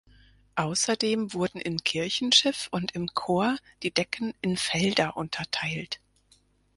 Außerdem wurden im Kirchenschiff und im Chor die Decken in Felder unterteilt.